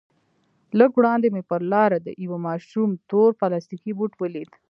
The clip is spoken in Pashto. لږ وړاندې مې پر لاره د يوه ماشوم تور پلاستيكي بوټ وليد.